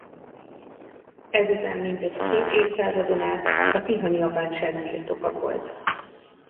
Ezután mintegy két évszázadon át a Tihanyi apátság birtoka volt.